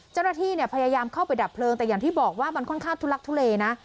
เจ้าหน้าที่เนี่ยพยายามเข้าไปดับเพลิงแต่อย่างที่บอกว่ามันค่อนข้างทุลักทุเลนะ